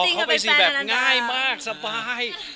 เข้าไปสิแบบง่ายมากสบาย